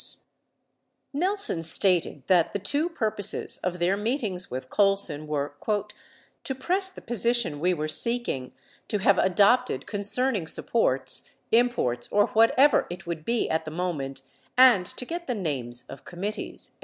614 Nelson stated that, the two purposes of their meetings with Colson were "[t]o press the position we were seeking to have adopted con cerning supports, imports or whatever it would be at the moment, and to get the names of committees."